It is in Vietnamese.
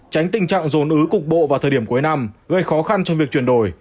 tránh tình trạng dồn ứ cục bộ vào thời điểm cuối năm gây khó khăn cho việc chuyển đổi